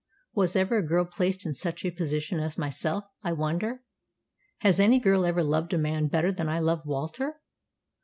Was ever a girl placed in such a position as myself, I wonder. Has any girl ever loved a man better than I love Walter?"